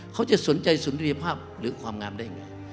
เขาจะสนใจสุนรีภาพหรือความงามได้ไง